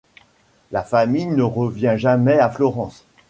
La famille ne revient jamais à Florence.